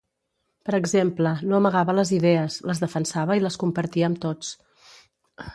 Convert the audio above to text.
Per exemple, no amagava les idees, les defensava i les compartia amb tots.